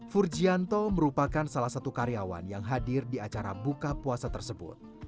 furgianto merupakan salah satu karyawan yang hadir di acara buka puasa tersebut